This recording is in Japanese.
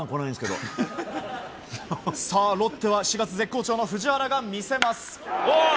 ロッテは７月絶好調の藤原が見せます。